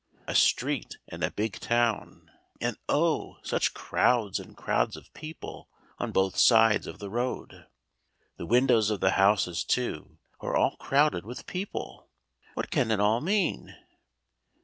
A street in a big town, and oh! such crowds and crowds of people on both sides of the road. The windows of the houses, too, are all crowded with people. What can it all mean?